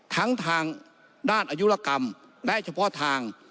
ทางด้านอายุรกรรมและเฉพาะทาง